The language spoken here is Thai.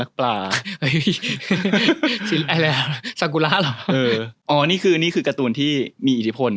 รักปลาเอ้ยอะไรสังกุล่าหรอเอออ๋อนี่คือนี่คือการ์ตูนที่มีอิทธิพล